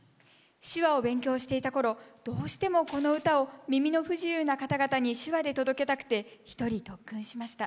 手話を勉強していたころどうしてもこの歌を耳の不自由な方々に手話で届けたくて１人特訓しました。